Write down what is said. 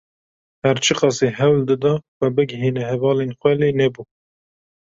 Her çi qasî hewl dida xwe bigihîne hevalên xwe lê nebû.